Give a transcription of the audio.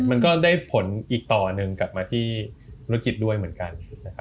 มันก็ได้ผลอีกต่อหนึ่งกลับมาที่ธุรกิจด้วยเหมือนกันนะครับ